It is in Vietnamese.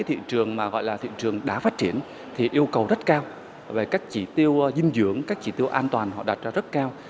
thị trường đã phát triển thì yêu cầu rất cao về các chỉ tiêu dinh dưỡng các chỉ tiêu an toàn họ đặt ra rất cao